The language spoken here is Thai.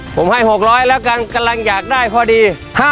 ผมให้๖๐๐แล้วกันกำลังอยากได้พอดี